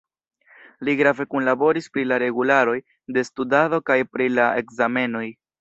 Li grave kunlaboris pri la regularoj de studado kaj pri la ekzamenoj.